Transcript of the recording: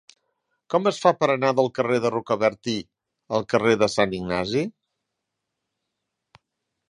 Com es fa per anar del carrer de Rocabertí al carrer de Sant Ignasi?